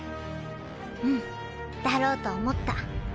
うんだろうと思った。